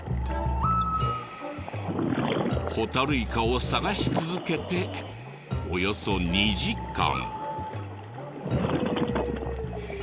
ホタルイカを探し続けておよそ２時間。